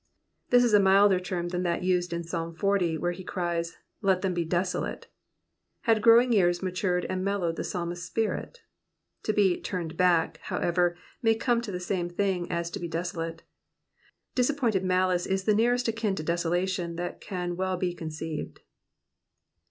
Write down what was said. '*'* This is a milder term than that used in Psalm xl., where he cries, let them be desolate/* Had growing years matured and mellowed the psalmist's spirit ? To be '* turned back/' however, may come to the same thing as to he desolate ;" disappointed malice is the nearest akin to desolation that can well be conceived.